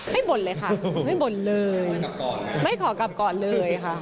บ่นเลยค่ะไม่บ่นเลยไม่ขอกลับก่อนเลยค่ะ